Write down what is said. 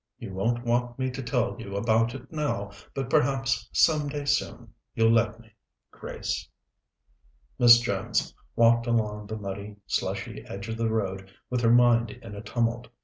You won't want me to tell you about it now, but perhaps some day soon you'll let me Grace." Miss Jones walked along the muddy, slushy edge of the road with her mind in a tumult.